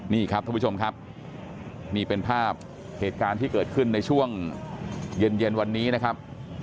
นี่ครับท่านผู้ชมครับนี่เป็นภาพเหตุการณ์ที่เกิดขึ้นในช่วงเย็นวันนี้นะครับ